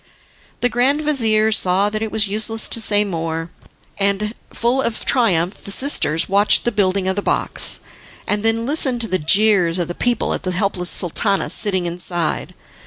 The grand vizir saw that it was useless to say more, and, full of triumph, the sisters watched the building of the box, and then listened to the jeers of the people at the helpless Sultana sitting inside.